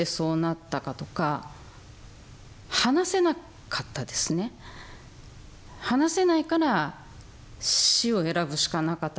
話せないから死を選ぶしかなかったとも言える。